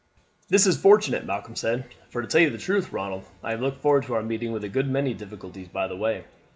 "This is fortunate," Malcolm said; "for to tell you the truth, Ronald, I have looked forward to our meeting with a good many difficulties by the way.